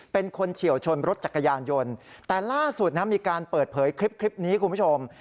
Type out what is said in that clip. เฉียวชนรถจักรยานยนต์แต่ล่าสุดนะมีการเปิดเผยคลิปนี้คุณผู้ชม